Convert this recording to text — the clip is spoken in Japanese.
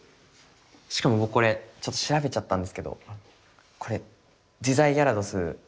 しかも僕これちょっと調べちゃったんですけどこれ「自在ギャラドス」。